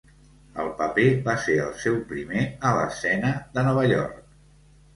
El paper va ser el seu primer a l'escena de Nova York.